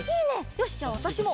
よしじゃあわたしも！